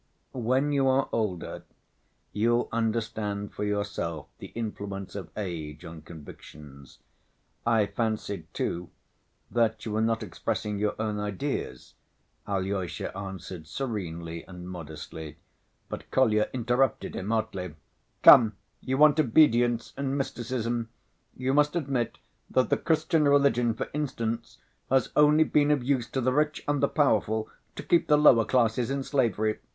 "When you are older, you'll understand for yourself the influence of age on convictions. I fancied, too, that you were not expressing your own ideas," Alyosha answered serenely and modestly, but Kolya interrupted him hotly: "Come, you want obedience and mysticism. You must admit that the Christian religion, for instance, has only been of use to the rich and the powerful to keep the lower classes in slavery.